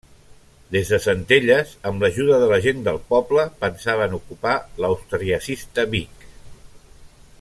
Des de Centelles, amb l'ajuda de la gent del poble, pensaven ocupar l'austriacista Vic.